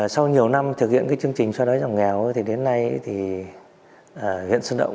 sau nhiều năm thực hiện cái chương trình xóa đói giảm nghèo thì đến nay thì huyện xuân động